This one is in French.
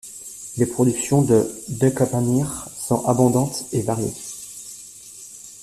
Les productions de De Kempeneer sont abondantes et variées.